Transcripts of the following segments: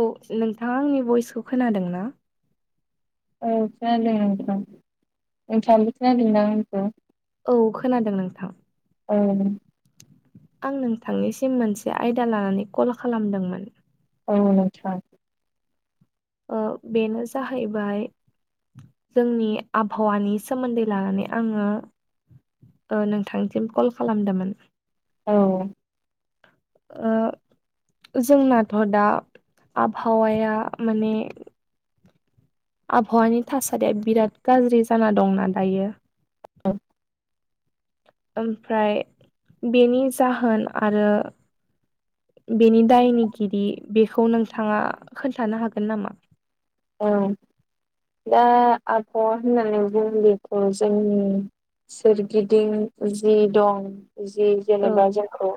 औ नोंथाङा आंनि भइसखौ खोनादोंना? औ खोनादों नोंथां नोंथाङाबो खोनादों ना आंनि खौ? औ खोनादों नोंथां औ आं नोंथांनिसिम मोनसे आयदा लानानै कल खालामदोंमोन औ आसा ओ बेनो जाहैबाय जोंनि आबहावानि सोमोन्दै लानानै आङो नोंथांसिम कल खालामदोंमोन औ जोंनाथ' दा आबहावाया माने आबहावानि थासारिया बिराद गाज्रि जाना दंना दायो औ ओमफ्राय बेनि जाहोन आरो बेनि दायनिगिरि बेखौ नोंथाङा खोन्थानो हागोन नामा औ दा आबहावा होननानै बुं बेखौ जोंनि सोरगिदिं जि दं जि औ जेनेबा जोंखौ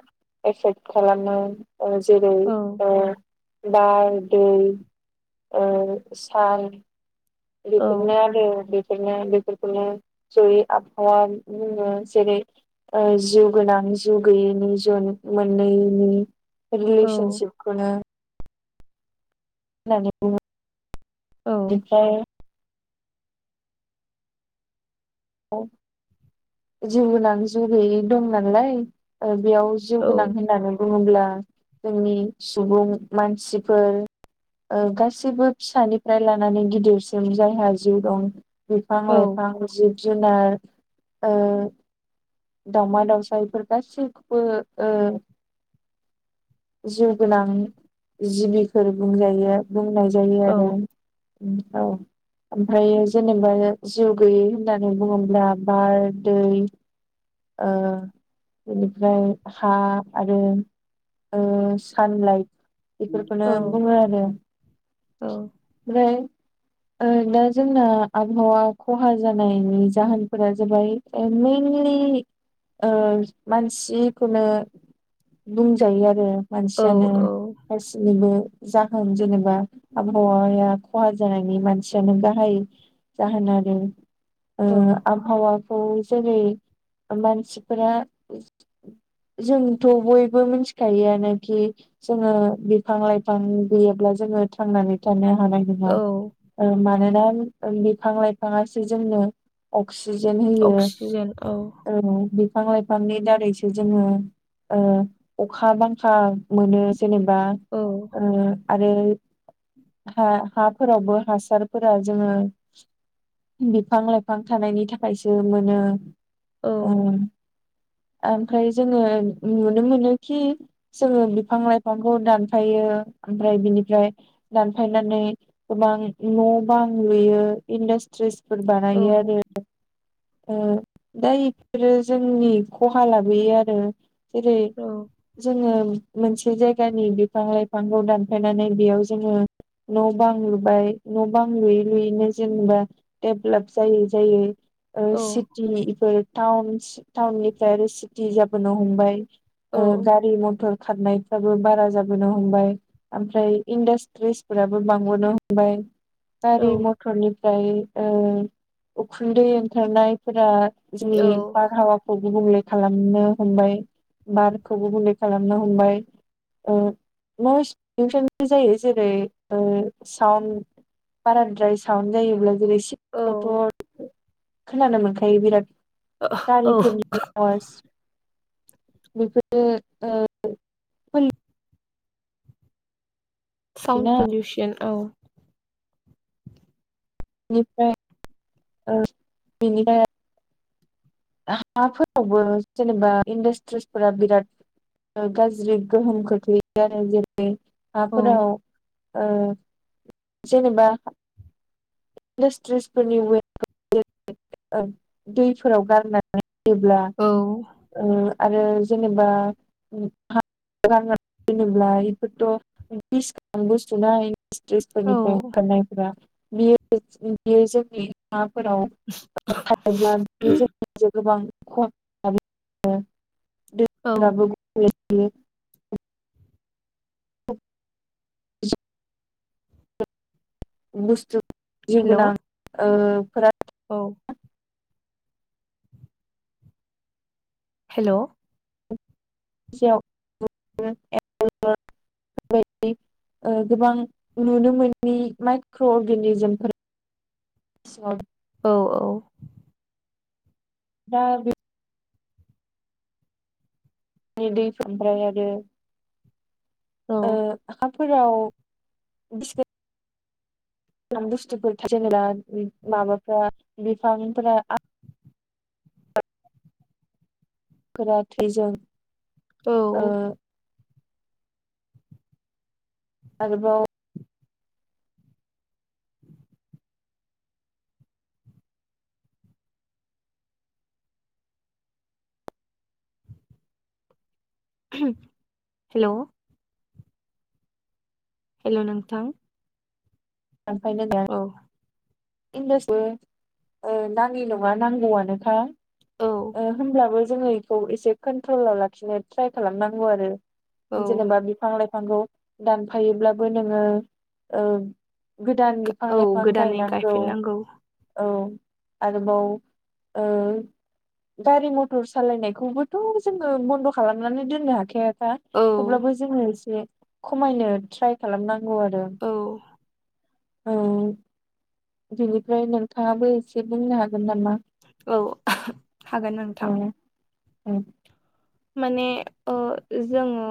एफेक्ट खालामो जेरै औ बार दै ओ सान औ बेफोरनो आरो बेनो बेफोरखोनो जयै आबहावा जेरै ओ जिउ गोनां जिउ गैयैनि जन मोननैनि औ रिलिशनसिपखौनो होननानै बुङो बेनिफ्राय औ जिउ गोनां जिउ गोयि दं नालाय बेयाव जिउ औ गोनां होननानै बुङोब्ला जोंनि सुबुं मानसिफोर ओ गासिबो फिसानिफ्राय लानानै गिदिरसिम जायहा जिउ दं बिफां औ लाइफां जिब जुनार ओ दावउमा दाउसा बेफोर गासैखौबो ओ जिउ गोनां जिबिफोर बुंजायो। बुंनाय जायो औ आरो औ ओमफ्रायो जेनेबा जिउ गैयै होनानै बुङोब्ला बार दै ओ बेनिफ्राय हा आरो ओ सानलाइट बेफोरखौनो बुङो आरो औ-औ ओमफ्राय दा जोंना आबहावा खहा जानायनि जाहोनफोरा जाबाय [unintelligible] ओ मानसिखौनो बुंजायो आरो औ मानसियानो गसिबनिबो जाहोन जेनेबा आब ओ आबहावाया खहा जानायनि मानसियानो गाहाय जाहोन आरो। औ आबहावाखौ जेरै मानसिफोरा जोंथ' बयबो मिथिखायो आनोखि जोङो बिफां लाइफां गैयाब्ला जोङो थांनानै थानो हानाय नङा औ मानोना बिफां लाइफाङासो जोंनो अक्सिजेन होयो औ बिफां लाइफांनि दारैसो जोङो ओ अखा बांखा मोनो जेनेबा औ ओ आरो हा हाफोरावबो हासारफोरा जोङो बिफां लाइफां थानायनि थाखायसो मोनो औ उम ओमफ्राय जोङो नुनो मोनोखि जोङो बिफां लाइफांखौ दानफायो ओमफ्राय बिनिफ्राय दानफायनानै गोबां न' बां लुयो इन्डासट्रिस फोर औ बानायो आरो ओ दा इफोरो जोंनि खहा लाबोयो आरो। जेरै औ जोङो मोनसे जायगानि बिफां लाइफांखौ दानफायनानै बेयाव जोङो न' बां लुबाय न' बां लुयै लुयैनो जेन'बा डेभेलप जायै जायै ओ औ सिटि इफोर टाउन टाउननिफ्राय आरो सिटि जाबोनो हमबाय ओ गारि मथर खारनायफ्राबो बारा जाबोनो हमबाय ओमफ्राय इनडास त्रिस फोराबो बांबोनो हमबाय गारि म थरनिफ्राय ओ उखुन्दै ओंखारनाय फोरा जोंनि औ बारहावा खौ गुबुंले खालामनो हमबाय बारखौबो गुबुंले खालामनो हमबाय ओ नयस पलुसनबो जायो। जेरै ओ साउन‌ बाराद्राय साउन जायोब्ला जेरै औ सिगांथ' खोनानो मोनखायो बिराद औ गारिफोरनि बेफोरो ओ [unintelligible] साउन पलिउसनखिना पलुशन औ बिनिफ्राय ओ बिनि दायाव [unintelligible] हाफोरावबो जेनेबा इन्डासट्रिसफोरा बिराद गाज्रि गोहोम खोख्लैयो आरो जेरै औ हाफोराव ओ जेनेबा इन्डासट्रिसफोरानि [unintelligible] दैफोराव गार नानै होयोब्ला औ ओ आरो जेनेबा [unintelligible] गारना दोनोब्ला बेफोरथ' बिसगोनां बुस्थुना [unintelligible] औ इन्डासट्रिसफोरानिफ्राय ओंखारनायफ्रा बेयो जेन [unintelligible] बियो जोंनि हाफोराव थायोब्ला बि जोंनि [unintelligible] बियो गोबां ख'हा खालामो दै औ फोराबो [unintelligible] [unintelligible] बुस्थु जिउ हेल' गोनां ओ फोरा औ हेल' [unintelligible] ओ गोबां नुनो मोननि माइक्र' अर्गेनिजोमफोर सलब [unintelligible] औ औ दा बे माने दैफोरनिफ्राय आरो [unintelligible] ओ हाफोराव बि [unintelligible] बुस्थुफोर थायोब्ला जेनेबा माबाफ्रा बिफांफोरा [unintelligible] गोरा थैजों औ ओ आरोबाव हेलौ हेलौ नोंथां दानफायहोदों [unintelligible] औ इनदासबो [unintelligible] ओ नाङि नङा नांगौआनोखा औ ओ होमब्लाबो जोङो इखौ एसे कन्ट्रलाव लाखिनो ट्राय खालामनांगौ आरो औ जेनेबा बिफां लाइफांखौ दानफायोब्लाबो नोङो ओ गोदान बिफां औ लाइफां गोदानै गायनांगौ। गायफिननांगौ औ आरोबाव ओ गारि मटर सालायनायखौबोथ' जोङो बन्द' खालामनानै दोननो हाखाया औ थेवब्लाबो जोङो एसे खमायनो ट्राय खालामनांगौ आरो औ औ बिनिफ्राय नोंथाङाबो एसे बुंनो हागोन नामा? औ हागोन नोंथां। उम माने ओ जोङो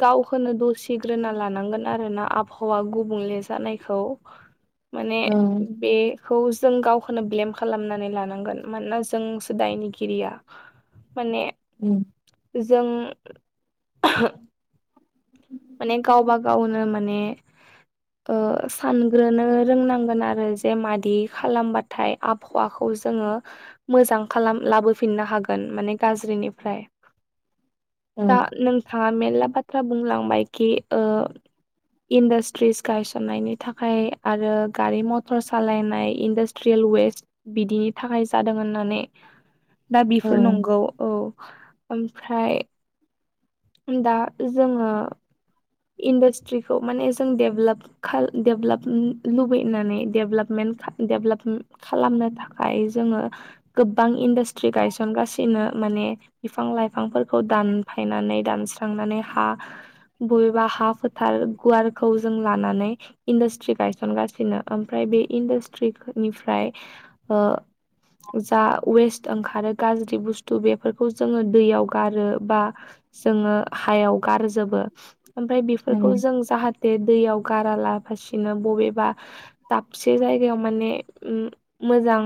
गावखोनो दसिग्रोना लानांगोन आरोना आबहावा गुबुंले जानायखौ। [inaudible] माने बे खौ जों गावखोनो ब्लेम खालामनानै लानांगोन मानोना जोंसो दायनिगिरिया। माने उम जों [inaudible] माने गावबा गावनो माने ओ सानग्रोनो रोंनांगोन आरो जे मादि खालामबाथाय आबहावाखौ जोङो मोजां खालाम लाबोफिननो हागोन माने गाज्रिनिफ्राय। औ दा नोंथाङा मेरला बाथ्रा बुंलांबायखि ओ इन्डास्ट्रिस गायसननायनि थाखाय आरो गारि मटर सालायनाय इन्डास स्ट्रि वेस्ट बिदिनि थाखाय जादों होननानै दा बिफोर नंगौ औ ओमफ्राय उम दा जोङो इन्डास्ट्रिखौ माने जों डेभलाप खाल‌ डेभलप लुबैनानै डेभलाफमेन्ट खा डेभलाप खालामनो थाखाय जोङो गोबां इन्डास्ट्रि गायसनगासिनो माने बिफां लाइफांफोरखौ दानफायनानै दानस्रांनानै हा बबेबा हा फोथार गुवारखौ जों लानानै इन्डास्ट्रि गायसनगासिनो ओमफ्राय बे खो इन्डास्ट्रिनिफ्राय ओ जा वेस्ट ओंखारो गाज्रि बुस्थु बेफोरखौ जोङो दैयाव गारो बा जोङो हायाव गारजोबो। ओमफ्राय बेफोरखौ उम जों जाहाथे दैयाव गारा लाफासिनो बबेबा दाबसे जायगायाव माने उम मोजां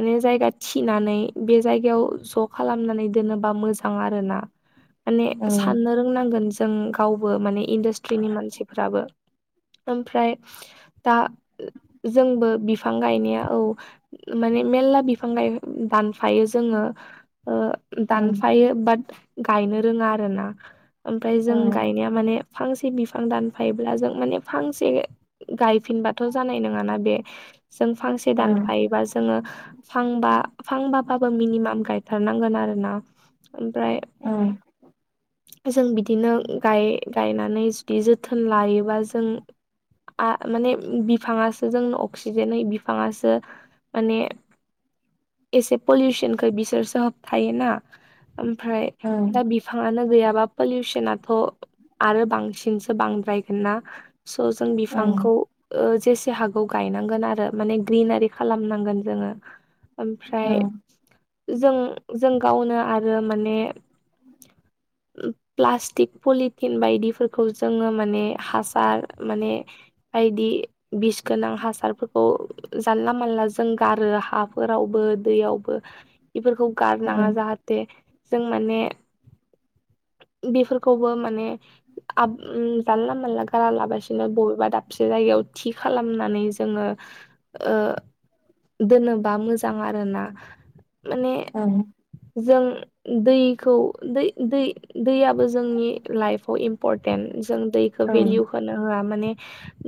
माने जायगा थिनानै बे जायगायाव ज' खालामनानै दोनोबा मोजां आरोना। [inaudible] माने साननो रोंनांगोन जों गावबो माने इन्डास्ट्रिनि मानसिफोराबो ओमफ्राय दा जोंबो बिफां गायनाया औ माने मेलला बिफां गाय दानफायो जोङो ओ औ दानफायो बाट गायनो रोङा आरोना ओमफ्राय जों निया माने फांसे बिफां दानफायोब्ला जों माने फांसे गायफिनबाथ' जानाय नोङाना बे जों फांसे औ दानफायोबा जोङो फांबा फांबा बाबो मिनिमाम गायथारनांगोन आरोना ओमफ्राय जों बिदिनो गाम गायनानै जुदि जोथोन लायोबा जों आ माने बिफाङासो जों अक्सिजेन होयो बिफाङासो माने एसे पलिउसनखो बिसोरसो होबथायोना ओमफ्राय दा बिफाङानो गैयाबा पलिउसनाथ' आरो बांसिनसो बांद्रायगोन ना स' जों औ बिफांखौ ओ जेसे हागौ गायनांगोन आरो माने ग्रिनारि खालामनांगोन जोङो। ओमफ्राय औ जों जों गावनो आरो माने प्लास्टिक पलि थिन बायदिफोरखौ जोङो माने हासार माने बायदि बिस गोनां हासारफोरखौ जानला मानला जों गारो हाफोरावबो दैयावबो [inaudible] बेफोरखौ औ गारनाङा जाहाथे जों माने बेफोरखौबो माने जानला मानला गारा लाबासिनो बबेबा दाबसे जायगायाव थि खालामनानै जोङो ओ दोनोबा मोजां आरोना माने औ जों दैखौ दै दैयाबो जोंनि लाइफआव [unintelligible] इमपरटेन्ट जों दैखौ भेलिउ होनो होआ माने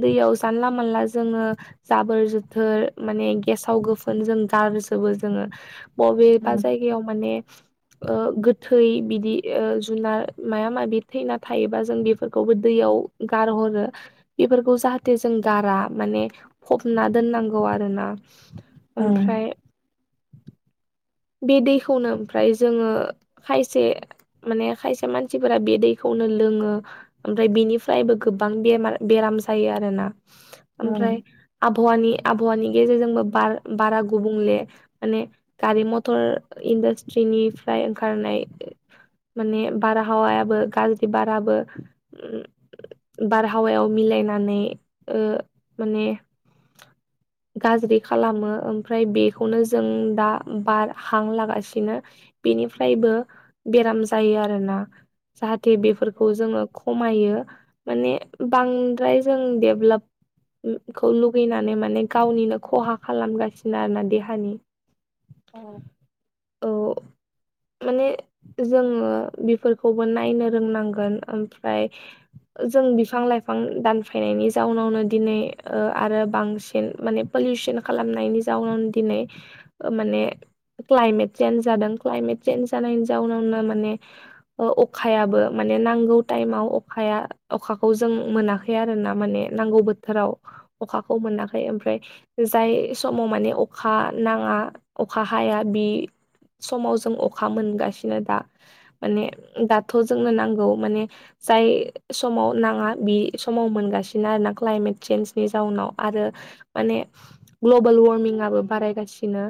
दैयाव जानला मानला जोङो जाबोर जोथोर माने गेसाव गोफोन जों गारजोबो जोङो बबेबा जायगायाव माने गोथै बिदि जुनार माबा माबि थैना थायोबा जों बेफोरखौबो दैयाव गारहरो बेफोरखौ जाहाथे जों गारा माने फबना दोननांगौ आरो ना औ ओमफ्राय बे दैखौनो ओमफ्राय जोङो खायसे माने खायसे मानसिफोरा बे दैखौनो लोङो ओमफ्राय बेनिफ्रायबो गोबां बेमार बेराम जायो आरो ना ओमफ्राय आबहावानि आबहावानि गेजेरजों बार बारा गुबुंले माने गारि मथर [unintelligible] मथर इन्डास्ट्रिनिफ्राय ओंखारनाय माने बारहावायाबो गाज्रि बाराबो बारहावायाव मिलायनानै माने गाज्रि खालामो ओमफ्राय बेखौनो जों दा बार हां लागासिनो बेनिफ्रायबो बेराम जायो आरोना जाहाथे बेफोरखौ जोङो खमायो माने बांद्राय जों डेभेलप खौ लुगैनानै माने गावनिनो खहा खालामगासिनो आरोना देहानि औ औ माने जोङो बेफोरखौबो नायनो रोंनांगोन ओमफ्राय जों बिफां लाइफां दानफायनायनि जाउनावनो दिनै आरो बांसिन माने पलिउसन खालामनायनि जाउनाव दिनै माने क्लाइमेट सेेन्ज जादों क्लाइमेट सेेन्ज जानायनि जाउनावनो माने अखायाबो माने नांगौ टाइमाव अखाया अखाखौ जों मोनाखै आरो ना माने नांगौ बोथोराव अखाखौ मोनाखै ओमफ्राय जाय समाव माने अखा नाङा अखा हाया बे समाव जों अखा मोनगासिनो दा माने दाथ जोंनो नांगौ माने जाय समाव नाङा बे समाव मोनगासिनो आरोना क्लाइमेट चेन्जनि जाउनाव आरो माने ग्लबेल वारमिंआबो बारायगासिनो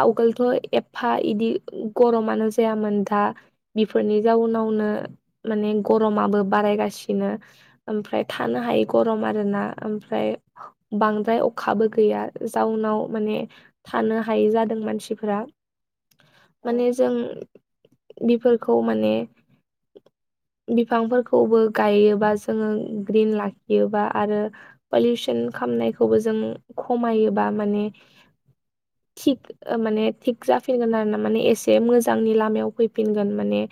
आवगोलथ एफा इदि गरमानो जायामोन दा बिफोरनि जाउनावनो माने गरमाबो बारायगासिनो ओमफ्राय थानो हायि गरम आरोना ओमफ्राय बांद्राय अखाबो गैया जाउनाव माने थानो हायै जादों मानसिफोरा औ माने जों बेफोरखौ माने बिफांफोरखौबो गायोबा जोङो ग्रिन लाखियोबा आरो पलिउसन खालामनायखौबो जों खमायोबा माने थिग माने थिग जाफिनगोन आरो ना माने एसे मोजांनि लामायाव फैफिनगोन माने